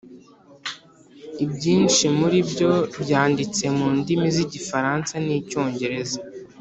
Ibyinshi muri byo byanditse mu ndimi z’igifaransa n’icyongereza.